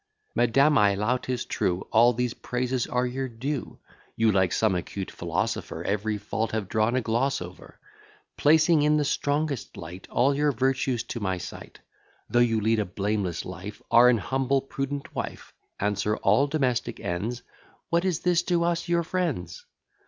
Madam, I allow 'tis true: All these praises are your due. You, like some acute philosopher, Every fault have drawn a gloss over; Placing in the strongest light All your virtues to my sight. Though you lead a blameless life, Are an humble prudent wife, Answer all domestic ends: What is this to us your friends?